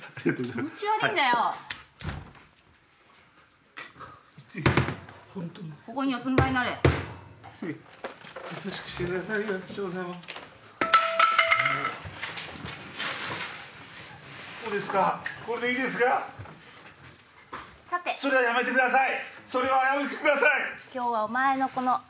それは本当にやめてください。